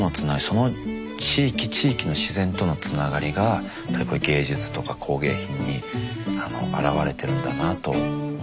その地域地域の自然とのつながりが芸術とか工芸品に表れてるんだなと思いました。